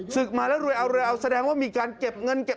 ศึกมาแล้วรวยเอาแสดงว่ามีการเก็บเงิน